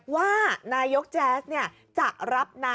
ว่านายกแจ๊สจะรับนะ